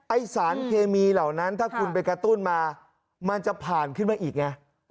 สารเคมีเหล่านั้นถ้าคุณไปกระตุ้นมามันจะผ่านขึ้นมาอีกไง